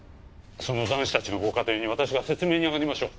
その男子たちのご家庭に私が説明にあがりましょう！